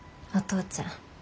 父ちゃん